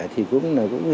thì cũng là vấn đề